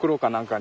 か